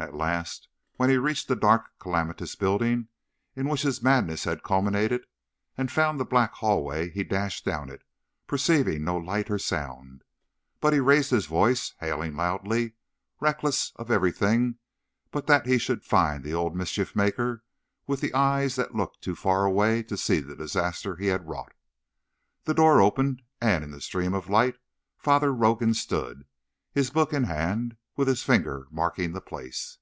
At last, when he reached the dark, calamitous building in which his madness had culminated, and found the black hallway, he dashed down it, perceiving no light or sound. But he raised his voice, hailing loudly; reckless of everything but that he should find the old mischief maker with the eyes that looked too far away to see the disaster he had wrought. The door opened, and in the stream of light Father Rogan stood, his book in hand, with his finger marking the place.